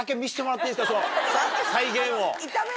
再現を。